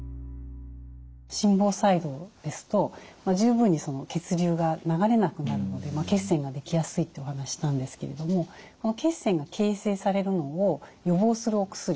心房細動ですと十分に血流が流れなくなるので血栓ができやすいってお話したんですけれどもこの血栓が形成されるのを予防するお薬。